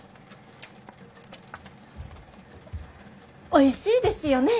おいしいですよね？